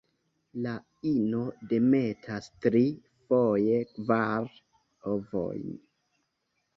La ino demetas tri, foje kvar, ovojn.